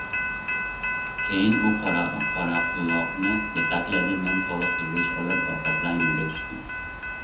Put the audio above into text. Keyin u Qoraquloqni yetakladi, men tol xivich olib, orqasidan yo‘lga tushdim.